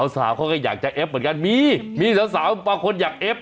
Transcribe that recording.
สาวเขาก็อยากจะเอฟเหมือนกันมีมีสาวบางคนอยากเอฟ